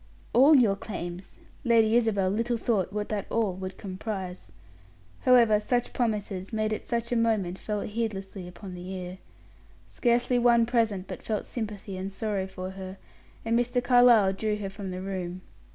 All your claims! Lady Isabel little thought what that "all" would comprise. However, such promises, made at such a moment, fell heedlessly upon the ear. Scarcely one present but felt sympathy and sorrow for her, and Mr. Carlyle drew her from the room.